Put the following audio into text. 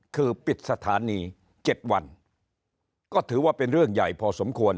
คือปิดสถานี๗วันก็ถือว่าเป็นเรื่องใหญ่พอสมควร